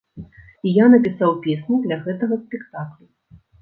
І я напісаў песні для гэтага спектаклю.